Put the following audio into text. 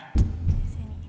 冷静に。